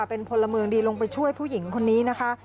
เป็นพลเมืองดีลงไปช่วยผู้หญิงคนนี้นะคะ